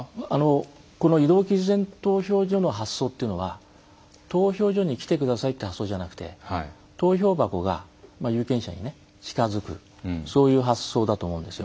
この移動期日前投票所の発想というのは投票所に来てくださいっていう発想じゃなくて投票箱が有権者に近づくそういう発想だと思うんですよ。